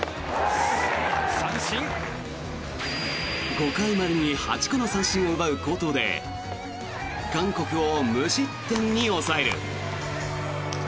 ５回までに８個の三振を奪う好投で韓国を無失点に抑える。